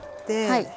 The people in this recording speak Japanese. はい。